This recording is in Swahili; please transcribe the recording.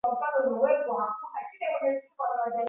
Gizani mwote nimulikie